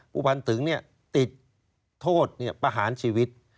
ผู้พันธุ์ตึงเนี่ยติดโทษประหารชีวิต